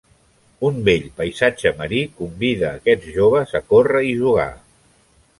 Un bell paisatge marí convida a aquests joves a córrer i jugar.